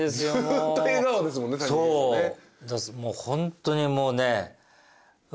ホントにもうね。